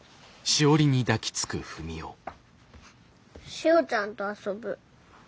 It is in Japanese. しおちゃんと遊ぶ。